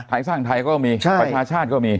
ไทยสร้างไทยก็มีประชาชาติก็มี